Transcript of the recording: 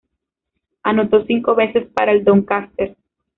Anotó cinco veces para el Doncaster.